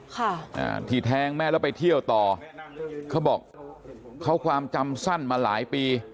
ค่ะอ่าที่แทงแม่แล้วไปเที่ยวต่อเขาบอกเขาความจำสั้นมาหลายปี